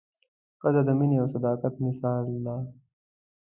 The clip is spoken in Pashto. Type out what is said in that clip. ښځه د مینې او صداقت مثال ده.